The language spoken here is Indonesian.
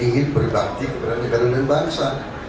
ingin berbakti kepada negara dan bangsa